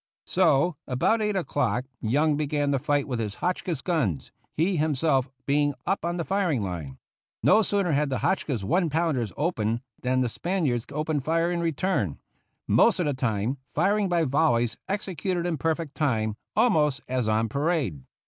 So, about eight o'clock Young began the fight with his Hotchkiss guns, he himself being up on the firing line. No sooner had the Hotchkiss one pounders opened than the Spaniards opened fire in return, most of the time firing by volleys executed in perfect time, almost as on parade.